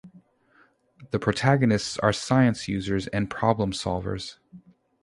The protagonists are science users and problem solvers.